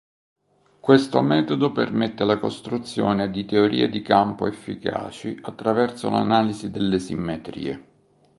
Questo metodo permette la costruzione di teorie di campo efficaci attraverso l'analisi delle simmetrie.